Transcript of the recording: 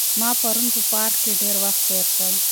ما پرون په پارک کې ډېر وخت تېر کړ.